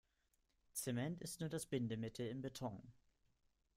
Zement ist nur das Bindemittel im Beton.